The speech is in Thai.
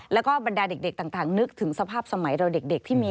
แล้วก็บรรดาเด็กต่างนึกถึงสภาพสมัยเราเด็กที่มี